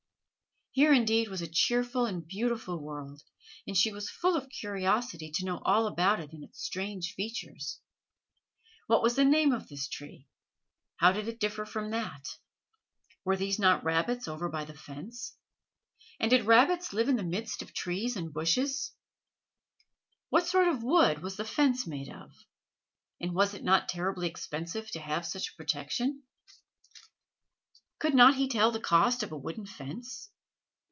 Here indeed was a cheerful and beautiful world, and she was full of curiosity to know all about it and its strange features. What was the name of this tree? and how did it differ from that? Were not these rabbits over by the fence? and did rabbits live in the midst of trees and bushes? What sort of wood was the fence made of? and was it not terribly expensive to have such a protection? Could not he tell the cost of a wooden fence?